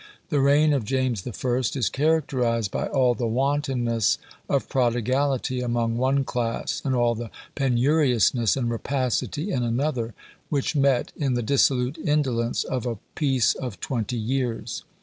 The reign of James I. is characterised by all the wantonness of prodigality among one class, and all the penuriousness and rapacity in another, which met in the dissolute indolence of a peace of twenty years.